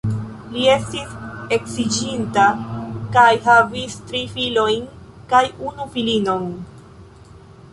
Li estis edziĝinta kaj havis tri filojn kaj unu filinon.